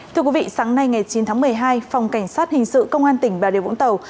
thưa quý vị sáng nay ngày chín tháng một mươi hai phòng cảnh sát hình sự công an tỉnh bà điều vũng tàu